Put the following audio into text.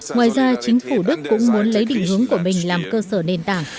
ngoài ra chính phủ đức cũng muốn lấy định hướng của mình làm cơ sở nền tảng